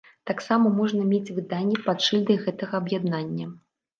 Таксама можна мець выданні пад шыльдай гэтага аб'яднання.